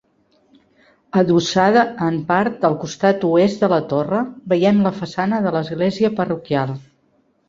Adossada en part al costat Oest de la torre, veiem la façana de l'església parroquial.